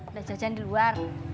gak jajan di luar